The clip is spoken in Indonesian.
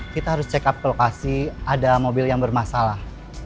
kita harus check up ke lokasi ada mobil yang bermasalah